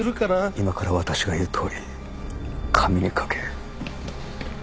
今から私が言うとおり紙に書け。